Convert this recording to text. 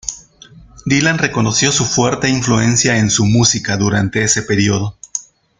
Dylan reconoció su fuerte influencia en su música durante ese periodo.